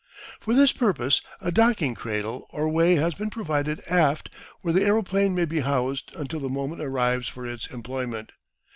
For this purpose a docking cradle or way has been provided aft where the aeroplane may be housed until the moment arrives for its employment.